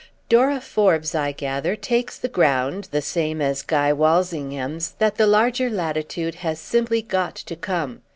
"Dora Forbes, I gather, takes the ground, the same as Guy Walsingham's, that the larger latitude has simply got to come.